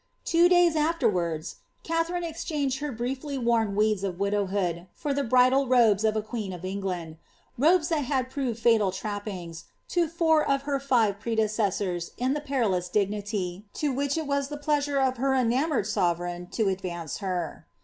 Two (lays afterwards, Katharine exchanged her briefly worn w«4 «>f widowhood, for the bridal robes of a queen of England — robes tht had proved fatal trappings to four of her hve predecessors in the pent , ous dignity to which it was the pleasure of her enamoured soverei^to ^ advance her.